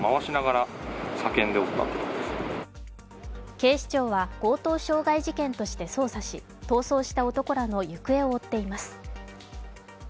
警視庁は強盗傷害事件として捜査し、逃走した男らの行方を追っています。